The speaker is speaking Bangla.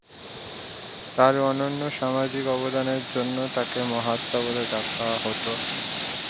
তার অনন্য সামাজিক অবদানের জন্যে তাকে মহাত্মা বলে ডাকা হত।